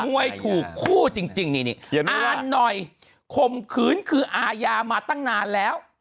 วยถูกคู่จริงนี่อ่านหน่อยข่มขืนคืออาญามาตั้งนานแล้ว